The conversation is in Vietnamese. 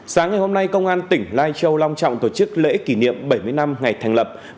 sáng ngày hôm nay công an tỉnh lai châu long trọng tổ chức lễ kỷ niệm bảy mươi năm ngày thành lập